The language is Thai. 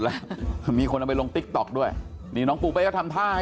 เอ่อวันนี้จะวันนี้จะขอบ้านเขาก็เลยออกมามาค่ะ